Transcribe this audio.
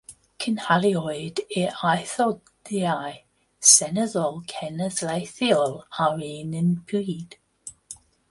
Cynhaliwyd yr etholiadau seneddol cenedlaethol ar yr un pryd.